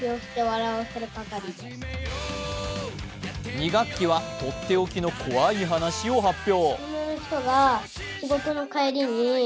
２学期はとっておきの怖い話を発表。